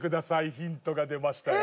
ヒントが出ましたよ。